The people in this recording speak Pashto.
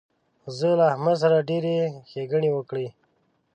زه له احمد سره ډېرې ښېګڼې وکړې.